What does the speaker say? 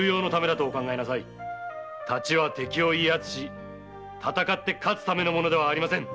太刀は敵を威圧し戦って勝つためのものではありません。